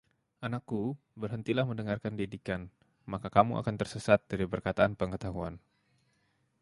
Anakku, berhentilah mendengarkan didikan, maka kamu akan tersesat dari perkataan pengetahuan.